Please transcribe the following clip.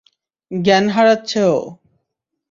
জ্ঞান হারাচ্ছে ও।